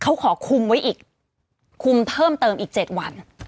เขาขอคุมไว้อีกคุมเพิ่มเติมอีก๗วัน